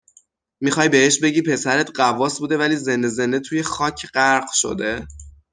میخوای بهش بگی پسرت غواص بوده ولی زنده زنده توی خاک غرق شده؟